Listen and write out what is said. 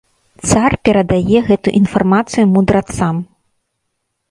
Цар перадае гэту інфармацыю мудрацам.